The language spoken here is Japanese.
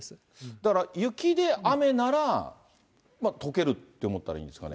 だから雪で、雨なら、とけるって思ったらいいんですかね。